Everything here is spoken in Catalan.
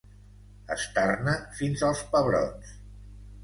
Estar-ne fins als pebrots.